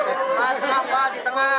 pak media tidak terima